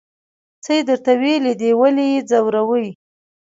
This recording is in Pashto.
څه یې درته ویلي دي ولې یې ځوروئ.